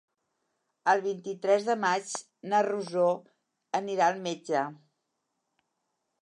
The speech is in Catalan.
El vint-i-tres de maig na Rosó anirà al metge.